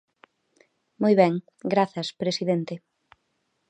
Moi ben, grazas, presidente.